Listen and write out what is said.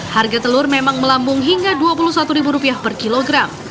harga telur memang melambung hingga dua puluh satu ribu rupiah per kilogram